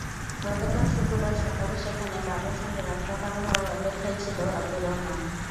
গতকাল শুক্রবার সকালে সেখানে বাবার সঙ্গে রাস্তা পার হওয়ার অপেক্ষায় ছিল আবদুর রহমান।